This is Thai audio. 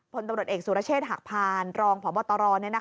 พลตำรวจเอกสุรเชษฐ์หักพานรองพบตร